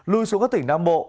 lui xuống các tỉnh nam bộ